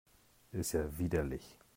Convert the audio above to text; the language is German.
Ist ja widerlich!